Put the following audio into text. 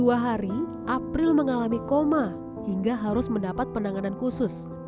dua hari april mengalami koma hingga harus mendapat penanganan khusus